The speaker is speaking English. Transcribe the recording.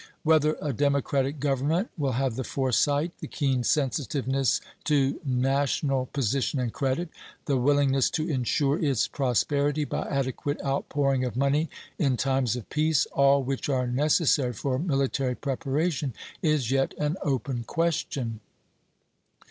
Whether a democratic government will have the foresight, the keen sensitiveness to national position and credit, the willingness to insure its prosperity by adequate outpouring of money in times of peace, all which are necessary for military preparation, is yet an open question.